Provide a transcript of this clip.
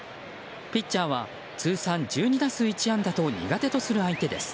ピッチャーは通算１２打数１安打と苦手とする相手です。